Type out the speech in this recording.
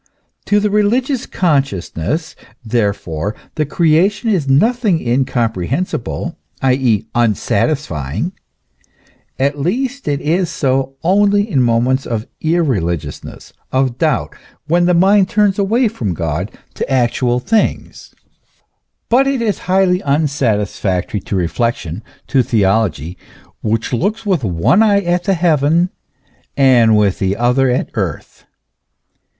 To the religious consciousness, therefore, the creation is nothing incomprehensible, i. e., unsatisfying ; at least it is so only in moments of irreligiousness, of doubt, when the mind turns away from God to actual things ; but it is highly unsatisfactory to reflection, to theology, which looks with one eye at heaven and with the other at earth.